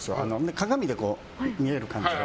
鏡で見える感じで。